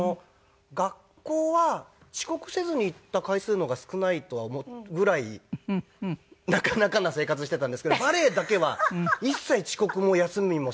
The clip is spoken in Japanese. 学校は遅刻せずに行った回数の方が少ないとはぐらいなかなかな生活していたんですけどバレエだけは一切遅刻も休みもせず。